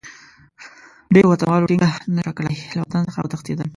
ډېرو وطنوالو ټینګه نه شوای کړای، له وطن څخه وتښتېدل.